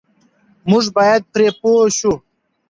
موږ بايد پرې پوه شو.